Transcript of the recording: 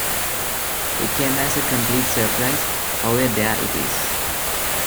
It came as a complete surprise. However, there it is.